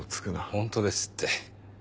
ホントですって。